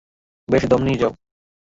বেশ, দম নিয়ে নাও।